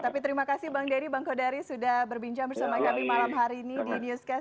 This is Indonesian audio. tapi terima kasih bang denny bang kodari sudah berbincang bersama kami malam hari ini di newscast